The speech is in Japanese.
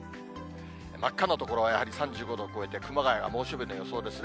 真っ赤な所はやはり３５度を超えて、熊谷は猛暑日の予想ですね。